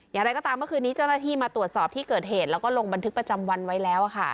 อย่างไรก็ตามเมื่อคืนนี้เจ้าหน้าที่มาตรวจสอบที่เกิดเหตุแล้วก็ลงบันทึกประจำวันไว้แล้ว